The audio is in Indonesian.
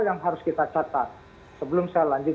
yang harus kita catat sebelum saya lanjut